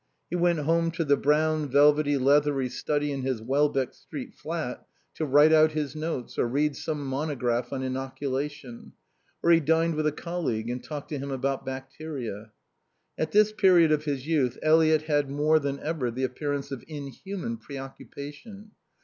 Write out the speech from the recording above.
He went home to the brown velvety, leathery study in his Welbeck Street flat to write out his notes, or read some monograph on inoculation; or he dined with a colleague and talked to him about bacteria. At this period of his youth Eliot had more than ever the appearance of inhuman preoccupation.